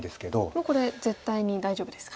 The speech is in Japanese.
もうこれ絶対に大丈夫ですか。